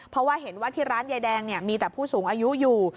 เพราะว่าเห็นว่าที่ร้านยายแดงมีแต่ผู้สูงอายุอยู่